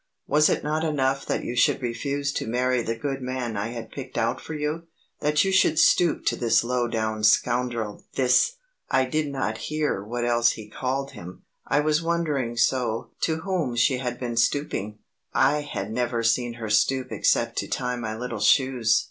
Was it not enough that you should refuse to marry the good man I had picked out for you, that you should stoop to this low down scoundrel this " I did not hear what else he called him, I was wondering so to whom she had been stooping; I had never seen her stoop except to tie my little shoes.